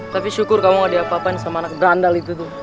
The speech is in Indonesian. tapi syukur kamu gak diapa apain sama anak berandal itu tuh